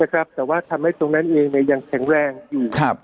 นะครับแต่ว่าทำให้ตรงนั้นเองเนี่ยยังแข็งแรงอยู่ครับ